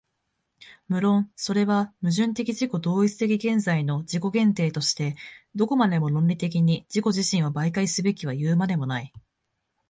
無論それは矛盾的自己同一的現在の自己限定としてどこまでも論理的に自己自身を媒介すべきはいうまでもない。